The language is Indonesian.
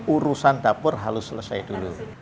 urusan dapur harus selesai dulu